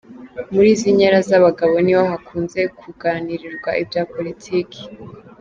Muri izi nkera z’abagabo niho hakunze kuganirirwa ibya politiki.